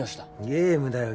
ゲームだよ